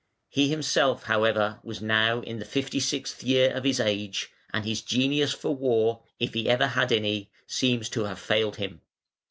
He himself, however, was now in the fifty sixth year of his age, and his genius for war, if he ever had any, seems to have failed him.